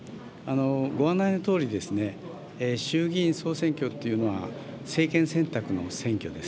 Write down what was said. ご案内のとおり、衆議院総選挙というのは、政権選択の選挙です。